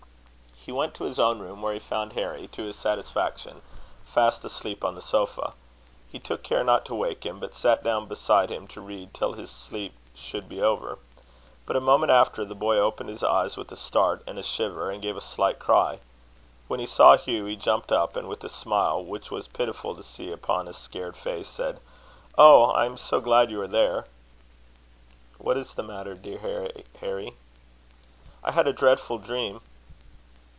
He went to his own room, where he found Harry, to his satisfaction, fast asleep on the sofa. He took care not to wake him, but sat down beside him to read till his sleep should be over. But, a moment after, the boy opened his eyes with a start and a shiver, and gave a slight cry. When he saw Hugh he jumped up, and with a smile which was pitiful to see upon a scared face, said: "Oh! I am so glad you are there." "What is the matter, dear Harry?" "I had a dreadful dream."